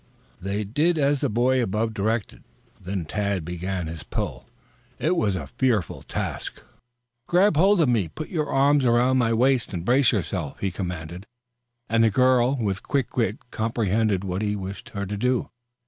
They did as the boy above directed, then Tad began his pull. It was a fearful task. "Grab hold of me, put your arms around my waist and brace yourself," he commanded, and the girl with quick wit comprehended what he wished her to do.